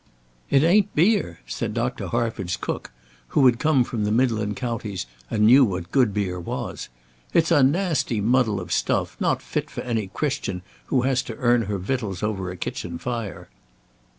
"It ain't beer," said Dr. Harford's cook, who had come from the midland counties, and knew what good beer was. "It's a nasty muddle of stuff, not fit for any Christian who has to earn her victuals over a kitchen fire."